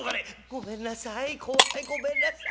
「ごめんなさい怖いごめんなさい。